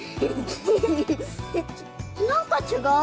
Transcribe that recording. なんか違う。